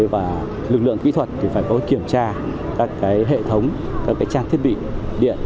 và lực lượng kỹ thuật thì phải kiểm tra các hệ thống các trang thiết bị điện